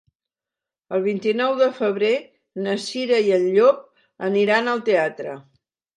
El vint-i-nou de febrer na Cira i en Llop aniran al teatre.